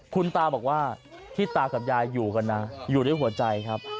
คุณตาบอกว่าที่ตากับยายอยู่กันนะอยู่ด้วยหัวใจครับ